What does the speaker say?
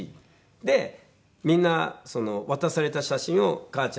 でみんな渡された写真を母ちゃんのひつぎの中に。